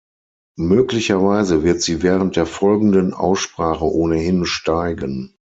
Möglicherweise wird sie während der folgenden Aussprache ohnehin steigen.